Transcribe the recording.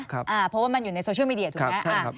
เพราะว่ามันอยู่ในโซเชียลมีเดียถูกไหม